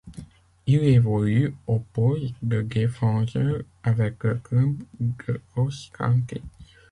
Il évolue au poste de défenseur avec le club de Ross County.